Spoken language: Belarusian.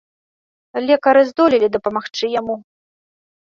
Лекары здолелі дапамагчы яму.